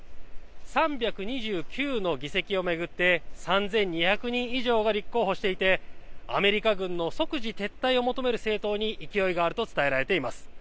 ３２９の議席を巡って３２００人以上が立候補していてアメリカ軍の即時撤退を求める政党に勢いがあると伝えられています。